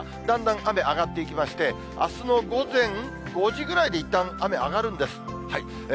だんだん雨上がっていきまして、あすの午前５時ぐらいでいったん雨上がるんです。